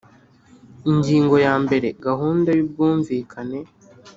Ingingo ya mbere Gahunda y ubwumvikane